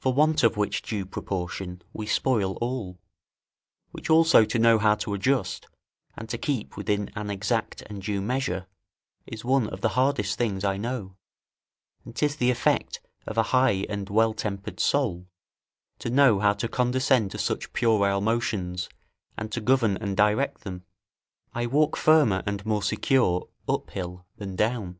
For want of which due proportion we spoil all; which also to know how to adjust, and to keep within an exact and due measure, is one of the hardest things I know, and 'tis the effect of a high and well tempered soul, to know how to condescend to such puerile motions and to govern and direct them. I walk firmer and more secure up hill than down.